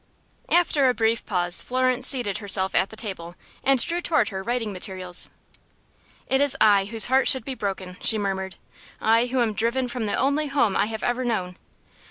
After a brief pause Florence seated herself at the table, and drew toward her writing materials. "It is I whose heart should be broken!" she murmured; "I who am driven from the only home I have ever known.